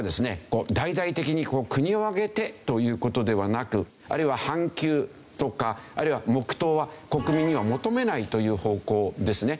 こう大々的に国を挙げてという事ではなくあるいは半休とか黙祷は国民には求めないという方向ですね。